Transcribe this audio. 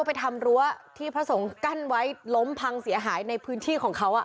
ไปทำรั้วที่พระสงฆ์กั้นไว้ล้มพังเสียหายในพื้นที่ของเขา